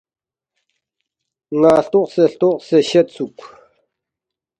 ن٘ا ہلتوخسے ہلتوخسے شیدسُوک